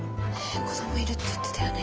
子どもいるって言ってたよね。